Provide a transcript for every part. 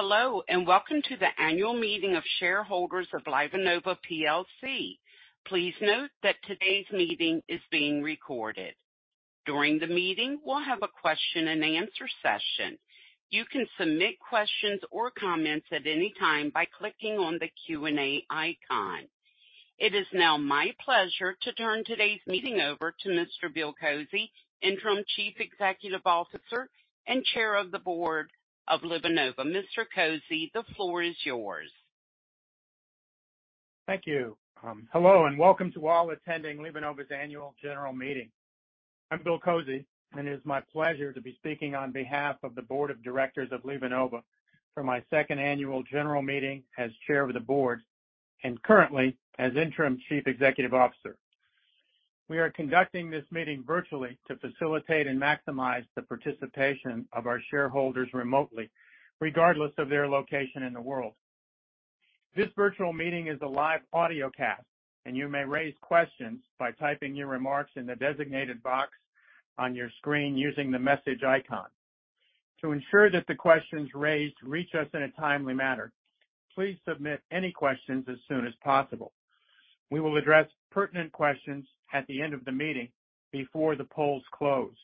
Hello, welcome to the Annual Meeting of Shareholders of LivaNova PLC. Please note that today's meeting is being recorded. During the meeting, we'll have a question and answer session. You can submit questions or comments at any time by clicking on the Q&A icon. It is now my pleasure to turn today's meeting over to Mr. Bill Kozy, Interim Chief Executive Officer and Chair of the Board of LivaNova. Mr. Kozy, the floor is yours. Thank you. Hello, welcome to all attending LivaNova's Annual General Meeting. I'm Bill Kozy, it is my pleasure to be speaking on behalf of the Board of Directors of LivaNova for my second annual general meeting as Chair of the Board and currently as Interim Chief Executive Officer. We are conducting this meeting virtually to facilitate and maximize the participation of our shareholders remotely, regardless of their location in the world. This virtual meeting is a live audiocast, you may raise questions by typing your remarks in the designated box on your screen using the message icon. To ensure that the questions raised reach us in a timely manner, please submit any questions as soon as possible. We will address pertinent questions at the end of the meeting before the polls close.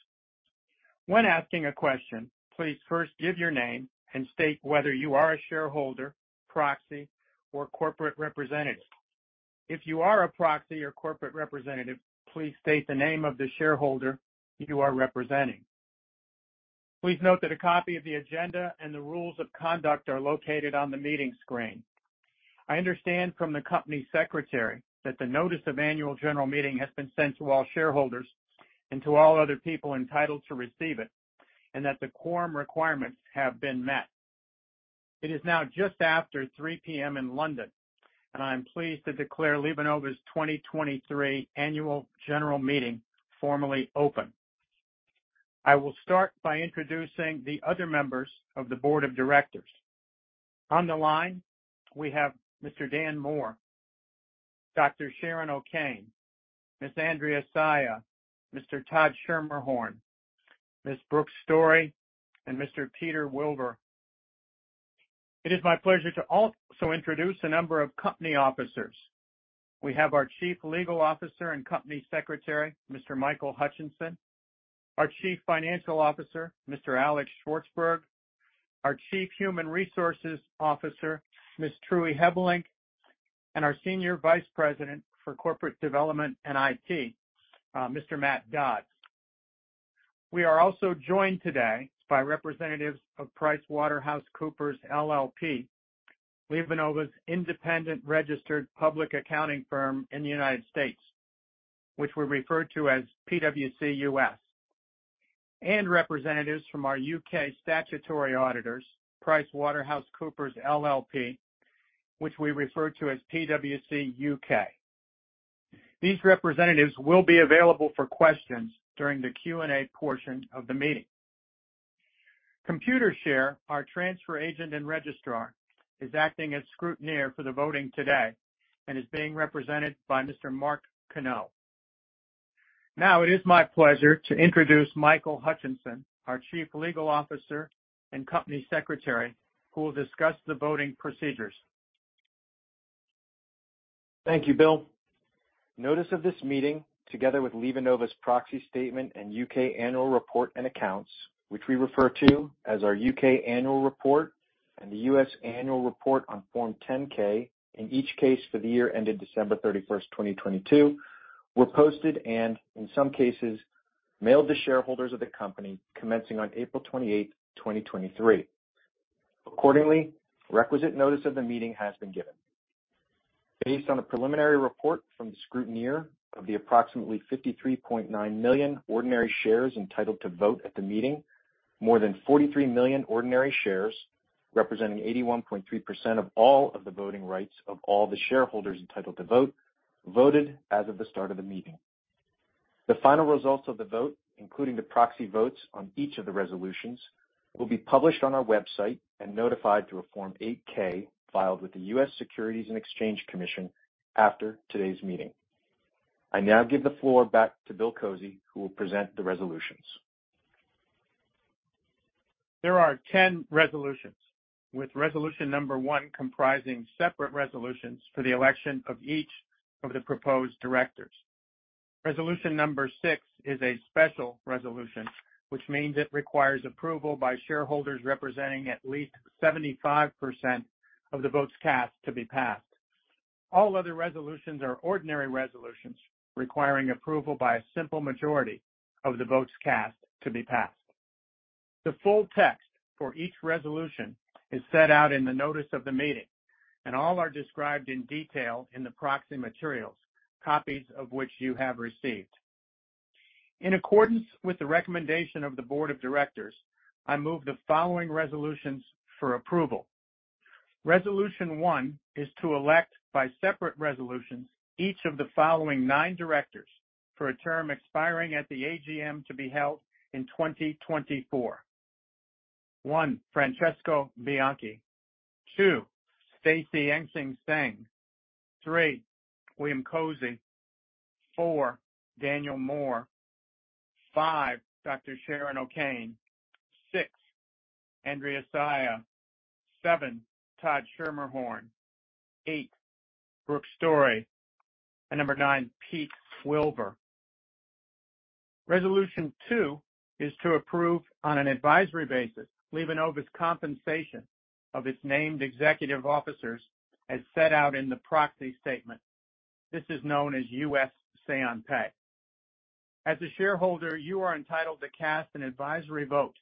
When asking a question, please first give your name and state whether you are a shareholder, proxy, or corporate representative. If you are a proxy or corporate representative, please state the name of the shareholder you are representing. Please note that a copy of the agenda and the rules of conduct are located on the meeting screen. I understand from the company secretary that the notice of annual general meeting has been sent to all shareholders and to all other people entitled to receive it, and that the quorum requirements have been met. It is now just after 3:00 P.M. in London, and I'm pleased to declare LivaNova's 2023 Annual General Meeting formally open. I will start by introducing the other members of the board of directors. On the line, we have Mr. Daniel Moore, Dr. Sharon O'Kane, Ms. Andrea Saia, Mr. Todd Schermerhorn, Ms. Brooke Story, and Mr.Peter Wilver. It is my pleasure to also introduce a number of company officers. We have our Chief Legal Officer and Company Secretary, Mr. Michael Hutchinson, our Chief Financial Officer, Mr. Alex Shvartsburg, our Chief Human Resources Officer, Ms. Trui Hebbelinck, and our Senior Vice President for Corporate Development and IT, Mr. Matt Dodds. We are also joined today by representatives of PricewaterhouseCoopers LLP, LivaNova's independent registered public accounting firm in the United States, which we refer to as PwC-US, and representatives from our UK statutory auditors, PricewaterhouseCoopers LLP, which we refer to as PwC-UK. These representatives will be available for questions during the Q&A portion of the meeting. Computershare, our transfer agent and registrar, is acting as scrutineer for the voting today and is being represented by Mr. Mark Cano. Now, it is my pleasure to introduce Michael Hutchinson, our Chief Legal Officer and Company Secretary, who will discuss the voting procedures. Thank you, Bill. Notice of this meeting, together with LivaNova's proxy statement and UK Annual Report and Accounts, which we refer to as our UK Annual Report, and the U.S. Annual Report on Form 10-K, in each case for the year ended December 31, 2022, were posted and, in some cases, mailed to shareholders of the company commencing on April 28, 2023. Requisite notice of the meeting has been given. Based on a preliminary report from the scrutineer of the approximately 53.9 million ordinary shares entitled to vote at the meeting, more than 43 million ordinary shares, representing 81.3% of all of the voting rights of all the shareholders entitled to vote, voted as of the start of the meeting. The final results of the vote, including the proxy votes on each of the resolutions, will be published on our website and notified through a Form 8-K filed with the US Securities and Exchange Commission after today's meeting. I now give the floor back to Bill Kozy, who will present the resolutions. There are 10 resolutions, with resolution number 1 comprising separate resolutions for the election of each of the proposed directors. Resolution number 6 is a special resolution, which means it requires approval by shareholders representing at least 75% of the votes cast to be passed. All other resolutions are ordinary resolutions, requiring approval by a simple majority of the votes cast to be passed. The full text for each resolution is set out in the notice of the meeting, and all are described in detail in the proxy materials, copies of which you have received. In accordance with the recommendation of the board of directors, I move the following resolutions for approval. Resolution 1 is to elect, by separate resolutions, each of the following nine directors for a term expiring at the AGM to be held in 2024.1, Francesco Bianchi. 2, Stacy Enxing Seng. 3, William Kozy. 4, Daniel Moore.5, Dr. Sharon O'Kane. 6, Andrea Saia. 7, Todd Schermerhorn. 8, Brooke Story, and number 9, Peter Wilver.Resolution 2 is to approve, on an advisory basis, LivaNova's compensation of its named executive officers as set out in the proxy statement. This is known as U.S. Say-on-Pay. As a shareholder, you are entitled to cast an advisory vote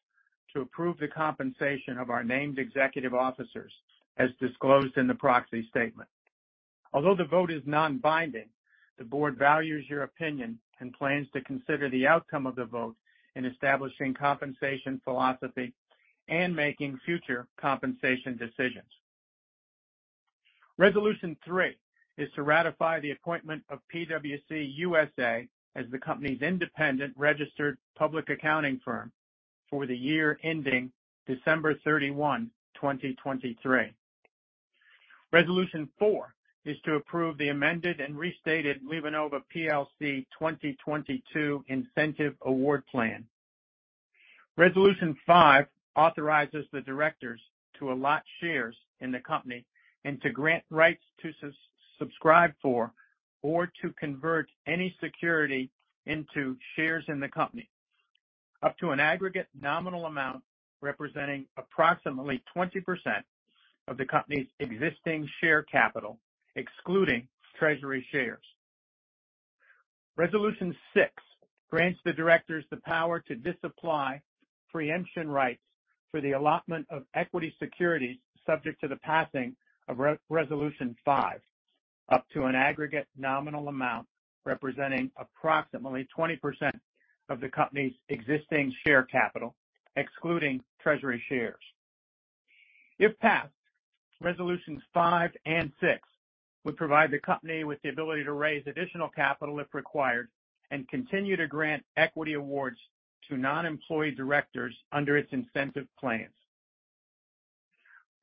to approve the compensation of our named executive officers, as disclosed in the proxy statement. Although the vote is non-binding, the board values your opinion and plans to consider the outcome of the vote in establishing compensation philosophy and making future compensation decisions. Resolution 3 is to ratify the appointment of PwC-US as the company's independent registered public accounting firm for the year ending December 31, 2023. Resolution 4 is to approve the Amended and Restated LivaNova PLC 2022 Incentive Award Plan. Resolution five authorizes the directors to allot shares in the company and to grant rights to sub-subscribe for or to convert any security into shares in the company, up to an aggregate nominal amount representing approximately 20% of the company's existing share capital, excluding treasury shares. Resolution six grants the directors the power to disapply preemption rights for the allotment of equity securities, subject to the passing of resolution five, up to an aggregate nominal amount representing approximately 20% of the company's existing share capital, excluding treasury shares. If passed, resolutions five and six would provide the company with the ability to raise additional capital, if required, and continue to grant equity awards to non-employee directors under its incentive plans.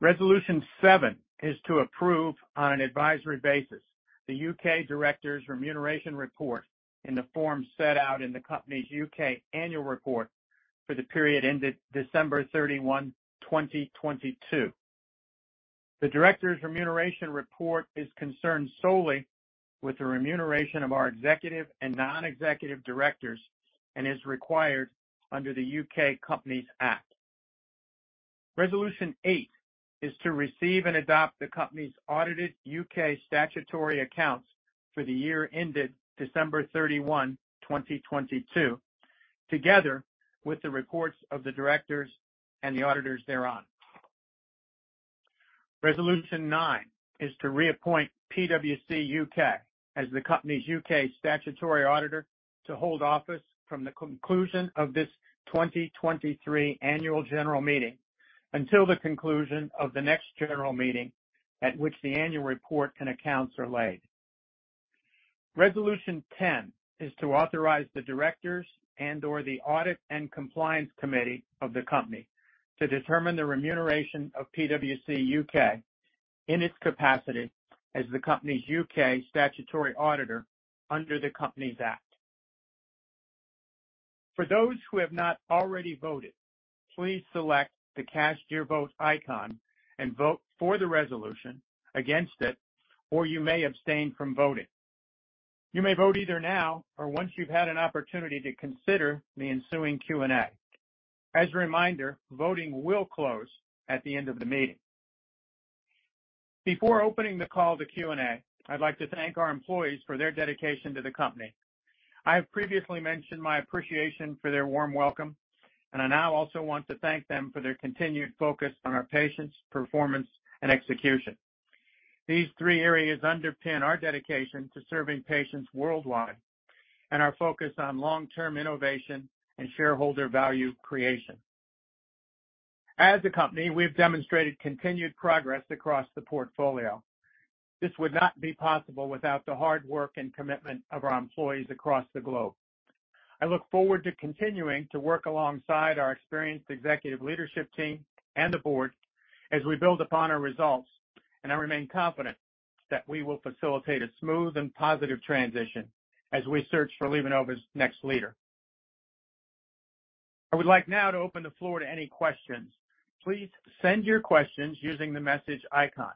Resolution 7 is to approve, on an advisory basis, the U.K. directors' remuneration report in the form set out in the company's U.K. annual report for the period ended December 31, 2022. The directors' remuneration report is concerned solely with the remuneration of our executive and non-executive directors and is required under the UK Companies Act. Resolution 8 is to receive and adopt the company's audited U.K. statutory accounts for the year ended December 31, 2022, together with the reports of the directors and the auditors thereon. Resolution 9 is to reappoint PwC-U.K. as the company's U.K. statutory auditor to hold office from the conclusion of this 2023 annual general meeting until the conclusion of the next general meeting at which the annual report and accounts are laid. Resolution 10 is to authorize the directors and/or the Audit and Compliance Committee of the company to determine the remuneration of PwC UK in its capacity as the company's UK statutory auditor under the Companies Act. For those who have not already voted, please select the Cast Your Vote icon and vote for the resolution, against it, or you may abstain from voting. You may vote either now or once you've had an opportunity to consider the ensuing Q&A. A reminder, voting will close at the end of the meeting. Before opening the call to Q&A, I'd like to thank our employees for their dedication to the company. I have previously mentioned my appreciation for their warm welcome, I now also want to thank them for their continued focus on our patients, performance, and execution. These three areas underpin our dedication to serving patients worldwide and our focus on long-term innovation and shareholder value creation. As a company, we've demonstrated continued progress across the portfolio. This would not be possible without the hard work and commitment of our employees across the globe. I look forward to continuing to work alongside our experienced executive leadership team and the board as we build upon our results, and I remain confident that we will facilitate a smooth and positive transition as we search for LivaNova's next leader. I would like now to open the floor to any questions. Please send your questions using the message icon.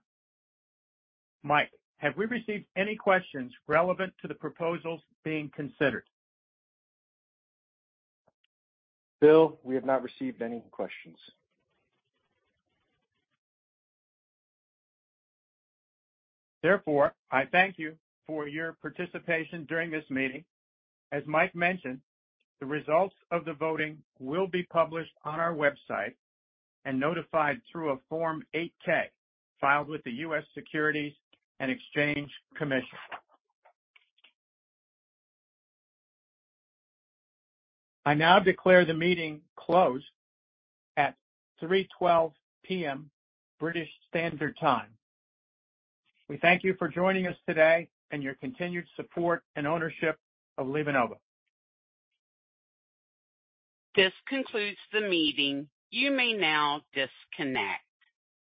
Mike, have we received any questions relevant to the proposals being considered? Bill, we have not received any questions. I thank you for your participation during this meeting. As Mike mentioned, the results of the voting will be published on our website and notified through a Form 8-K filed with the US Securities and Exchange Commission. I now declare the meeting closed at 3:12 P.M. British Summer Time. We thank you for joining us today and your continued support and ownership of LivaNova. This concludes the meeting. You may now disconnect.